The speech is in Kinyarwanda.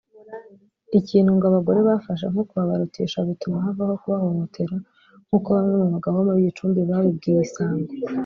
ibintu ngo abagore bafashe nko kubabarutisha bituma havaho kubahohotera nkuko bamwe mu bagabo bo muri Gicumbi babibwiye isango